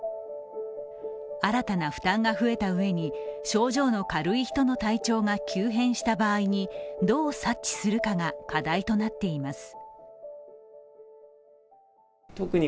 新たな負担が増えたうえに症状の軽い人の体調が急変した場合にどう察知するかが課題となっています。